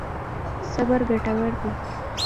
صبر ګټور دی.